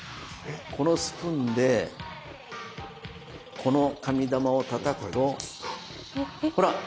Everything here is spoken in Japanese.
このスプーンでこの紙玉をたたくとほら！